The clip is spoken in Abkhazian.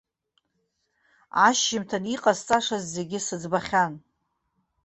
Ашьжьымҭан иҟасҵашаз зегьы сыӡбахьан.